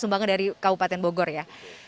sumbangan dari kabupaten bogor ya